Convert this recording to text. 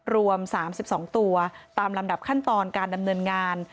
รวม๓๒ตัวตามลำดับขั้นตอนการดำเนินงาน